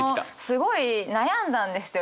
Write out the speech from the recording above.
すごい悩んだんですよ！